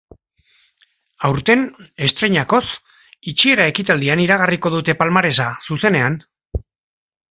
Aurten, estreinakoz, itxiera ekitaldian iragarriko dute palmaresa, zuzenean.